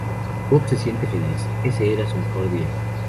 Bob se siente feliz, ese era su mejor día.